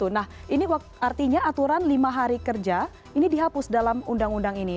nah ini artinya aturan lima hari kerja ini dihapus dalam undang undang ini